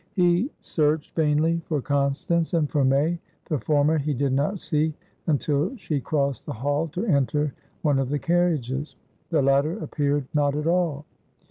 He searched vainly for Constance and for May. The former he did not see until she crossed the hall to enter one of the carriages; the latter appeared not at all.